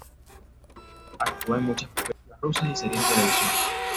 Actuó en muchas películas rusas y series de televisión.